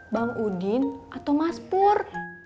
bang udin atau mas pur